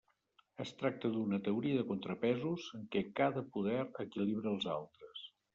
Es tracta d'una teoria de contrapesos, en què cada poder equilibra els altres.